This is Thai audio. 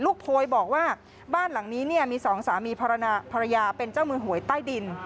โพยบอกว่าบ้านหลังนี้เนี่ยมีสองสามีภรรยาเป็นเจ้ามือหวยใต้ดิน